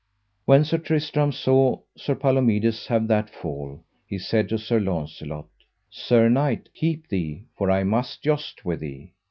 When Sir Tristram saw Sir Palomides have that fall, he said to Sir Launcelot: Sir knight, keep thee, for I must joust with thee.